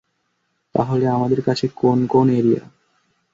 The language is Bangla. তাহলে আমাদের কাছে কোন কোন এরিয়া?